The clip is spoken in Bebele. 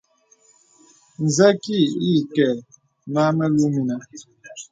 Zə kì ìkɛ̂ mə a mèlù mìnə̀.